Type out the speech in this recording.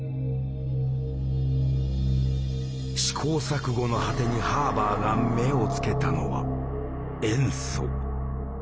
試行錯誤の果てにハーバーが目をつけたのは。